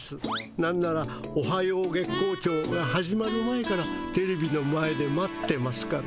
なんなら「おはよう月光町」が始まる前からテレビの前で待ってますから。